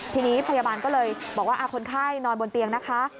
ทีนี้พยาบาลก็เลยบอกว่าคนไข้นอนบนเตียงนะคะ